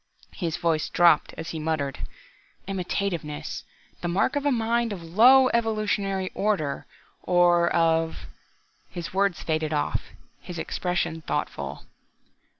His voice dropped, as he muttered, "Imitativeness the mark of a mind of low evolutionary order, or of ..." his words faded off, his expression thoughtful.